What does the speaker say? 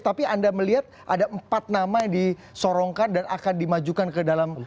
tapi anda melihat ada empat nama yang disorongkan dan akan dimajukan ke dalam